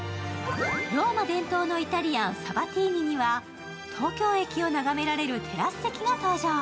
ローマ伝統のイタリアン、サバティーニには、東京駅を眺められるテラス席が登場。